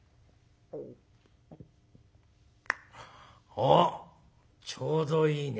「おっちょうどいいね。